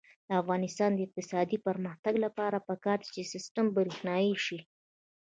د افغانستان د اقتصادي پرمختګ لپاره پکار ده چې سیستم برښنايي شي.